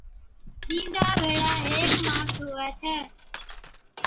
بِينڏا ڀيڙي ھيڪ ماڻس ھُوي ڇَي